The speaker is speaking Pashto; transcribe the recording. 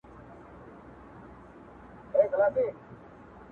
ستا پر تور تندي لیکلي کرښي وايي!.